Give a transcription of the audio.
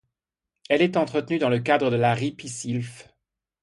Elle est entretenue dans le cadre de la ripisylve.